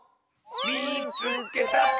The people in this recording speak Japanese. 「みいつけた！」。